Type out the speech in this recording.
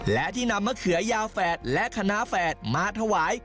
และที่นำมะเขือยาวแฝดและคณะแฝดมาถวาย